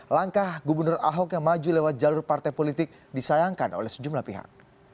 langkah gubernur ahok yang maju lewat jalur partai politik disayangkan oleh sejumlah pihak